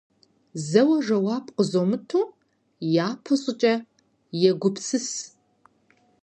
Зэуэ жэуап къызумыту, япэ щӏыкӏэ, егупсыс.